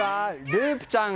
ループちゃん。